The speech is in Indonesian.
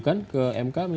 kami berharap kami berharap